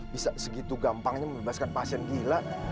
bisa segitu gampangnya membebaskan pasien gila